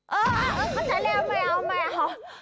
เออเออประชาแนวไม่เอาไม่เอา